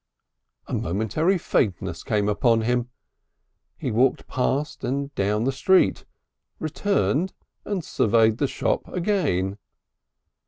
A momentary faintness came upon him. He walked past and down the street, returned and surveyed the shop again.